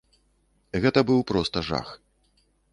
Гэта быў проста жах.